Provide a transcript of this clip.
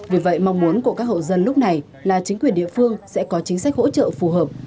vì vậy mong muốn của các hộ dân lúc này là chính quyền địa phương sẽ có chính sách hỗ trợ phù hợp